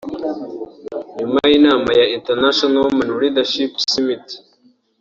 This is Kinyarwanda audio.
nyuma y'inama ya 'International Women Leadership Summit'